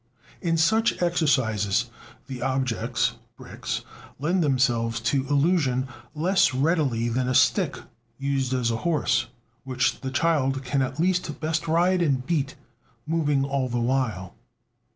In such exercises the objects (bricks) lend themselves to illusion less readily than a stick used as a horse, which the child can at least bestride and beat, moving along the while.